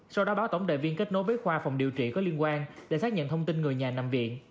sau đó báo tổng đài viên kết nối với khoa phòng điều trị có liên quan để xác nhận thông tin người nhà nằm viện